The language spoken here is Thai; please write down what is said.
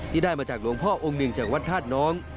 ได้มาจากหลวงพ่อองค์หนึ่งจากวัดธาตุน้อง